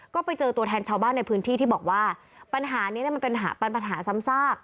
ก็ไปเจอตัวแทนชาวบ้านในพื้นที่ที่บอกว่าปัญหานี้มันเป็นปัญหาซ้ำซาก